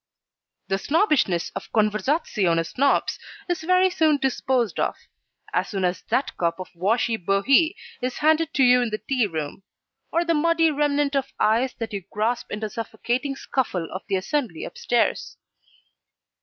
The snobbishness of Conversazione Snobs is very soon disposed of: as soon as that cup of washy bohea is handed to you in the tea room; or the muddy remnant of ice that you grasp in the suffocating scuffle of the assembly upstairs.